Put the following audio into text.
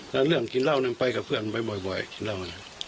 แล้วเรื่องกินเหล้าเนี่ยไปกับเพื่อนมันบ่อยกินเหล้าเนี่ย